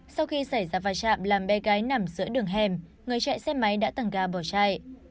sau khi xảy ra vai trạm làm bé gái nằm giữa đường hẻm người chạy xe máy đã tẳng ga bỏ chạy